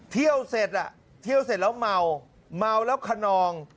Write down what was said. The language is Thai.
เที่ยวเสร็จเที่ยวเสร็จแล้วเมาเมาแล้วขนอง